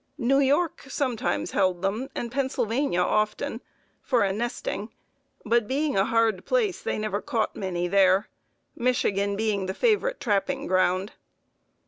New York sometimes held them, and Pennsylvania often, for a nesting; but being a hard place they never caught many there, Michigan being the favorite trapping ground.